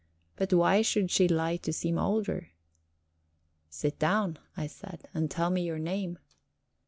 But why should she lie to seem older? "Sit down," I said, "and tell me your name."